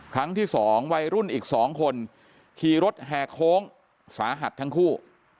ขั้นที่สองวัยรุ่นอีกสองคนขี่รถแหกโค้งสาหัสทั้งคู่